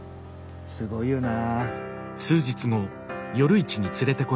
すごいよな。